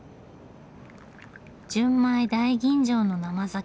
純米大吟醸の生酒。